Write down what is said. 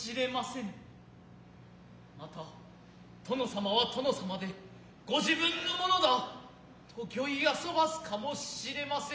また殿様は殿様で御自分のものだと御意遊ばすかも知れませぬ。